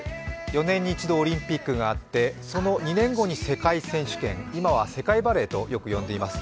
４年に１度オリンピックがあってその２年後に世界選手権、今は世界バレーとよく呼んでいます。